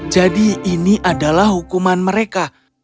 jadi ini adalah hukuman mereka